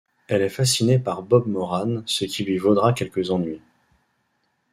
Elle est fascinée par Bob Morane, ce qui lui vaudra quelques ennuis.